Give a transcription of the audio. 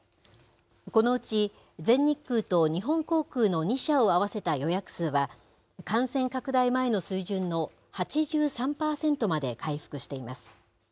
このうち全日空と日本航空の２社を合わせた予約数は、感染拡大前の水準の８３％まで回復しています。